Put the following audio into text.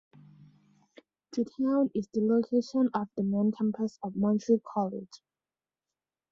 The town is the location of the main campus of Montreat College.